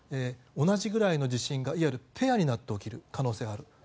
同じくらいの地震がいわゆるペアになって起きる可能性がある。